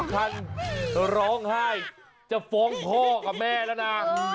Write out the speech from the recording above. ท่านร้องไห้จะฟ้องพ่อกับแม่แล้วนะ